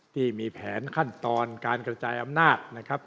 ที่มีแผนขั้นตอนการกระจายอำนาจนะครับ